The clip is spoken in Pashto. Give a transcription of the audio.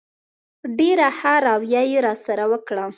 ډېره ښه رویه یې راسره وکړه.